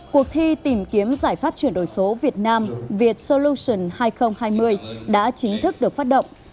cuộc thi tìm kiếm giải pháp chuyển đổi số việt nam vietsolution hai nghìn hai mươi đã chính thức được phát động